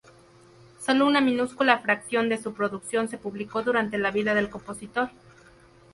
Solo una minúscula fracción de su producción se publicó durante la vida del compositor.